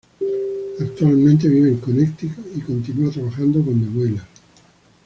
Actualmente vive en Connecticut y continua trabajando con The Wailers.